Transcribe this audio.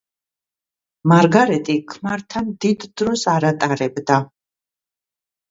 მარგარეტი ქმართან დიდ დროს არ ატარებდა.